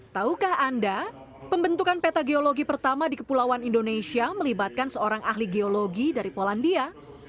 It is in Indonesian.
taukah anda pembentukan peta geologi pertama di kepulauan indonesia melibatkan seorang ahli geologi dari polandia